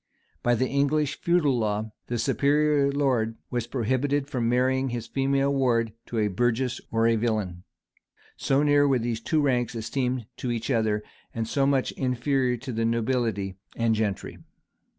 [] By the English feudal law, the superior lord was prohibited from marrying his female ward to a burgess or a villain;[] so near were these two ranks esteemed to each other, and so much inferior to the nobility and gentry.